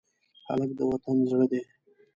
هلک د وطن زړه دی.